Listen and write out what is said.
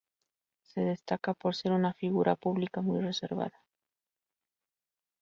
Se destaca por ser una figura pública muy reservada.